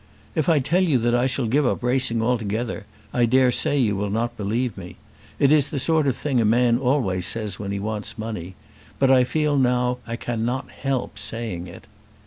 If I tell you that I shall give up racing altogether I dare say you will not believe me. It is a sort of thing a man always says when he wants money; but I feel now I cannot help saying it.